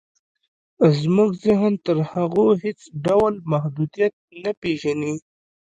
زموږ ذهن تر هغو هېڅ ډول محدوديت نه پېژني.